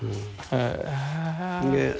へえ。